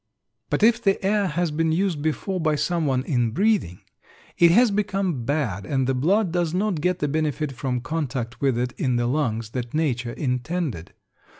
But if the air has been used before by someone in breathing it has become bad and the blood does not get the benefit from contact with it in the lungs that nature intended.